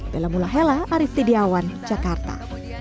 bela mullahela arief tidiawan jakarta